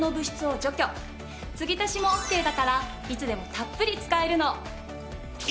つぎ足しもＯＫだからいつでもたっぷり使えるの。